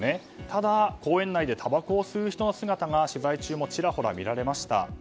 ただ、公園内でたばこを吸う人の姿が取材中にもちらほら見られました。